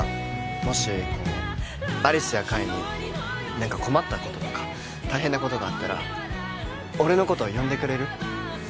もしこう有栖や海に何か困ったこととか大変なことがあったら俺のこと呼んでくれる？